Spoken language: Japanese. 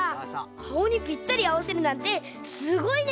かおにぴったりあわせるなんてすごいね。